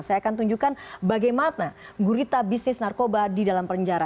saya akan tunjukkan bagaimana gurita bisnis narkoba di dalam penjara